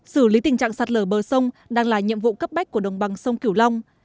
xử lý tình trạng sạt lở bờ sông đang là nhiệm vụ cấp bách của đồng bằng sông kiểu long